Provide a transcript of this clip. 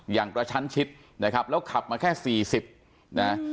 อย่างกระชั้นชิดนะครับแล้วขับมาแค่สี่สิบนะ